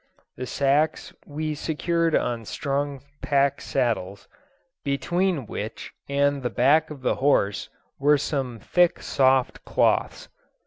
The sacks we secured on strong pack saddles, between which and the back of the horse were some thick soft cloths.